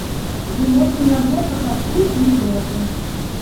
Выносім на двор пачастункі і грошы.